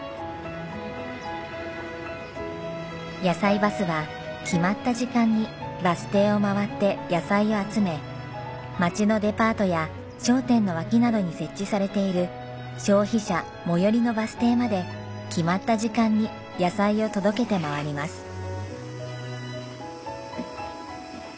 やさいバスは決まった時間にバス停を回って野菜を集め街のデパートや商店の脇などに設置されている消費者最寄りのバス停まで決まった時間に野菜を届けて回ります。